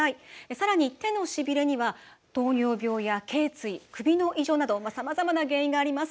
さらに、手のしびれには糖尿病や、けい椎首の異常などさまざまな原因があります。